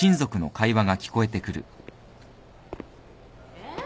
えっ？